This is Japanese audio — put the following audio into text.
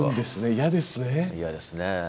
嫌ですね。